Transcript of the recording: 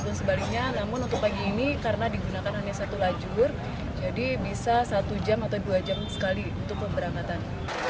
sebaliknya namun untuk pagi ini karena digunakan hanya satu lajur jadi bisa satu jam atau dua jam sekali untuk pemberangkatan